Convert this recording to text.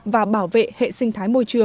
và bảo vệ hệ sinh